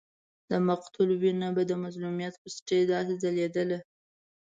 د مقتول وینه به د مظلومیت پر سټېج داسې ځلېدله.